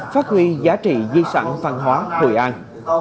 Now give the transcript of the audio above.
phát huy giá trị di sản văn hóa hội an